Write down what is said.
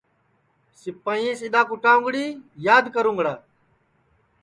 سِپائییاس اِدؔا کُٹاؤنگڑی یاد کرُونگڑا